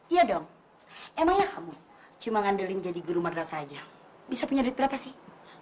iya dong emang ya kamu cuma ngandelin jadi guru madrasa aja bisa punya duit berapa sih